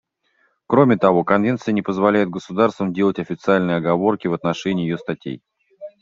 Кроме того, Конвенция не позволяет государствам делать официальные оговорки в отношении ее статей.